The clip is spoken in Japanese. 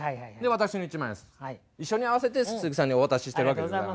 私の１万円一緒に合わせて鈴木さんにお渡ししてるわけでございますよ。